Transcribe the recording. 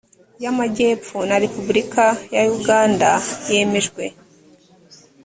y amajyepfo na repubulika ya uganda yemejwe